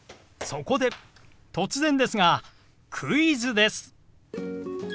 そこで突然ですがクイズです！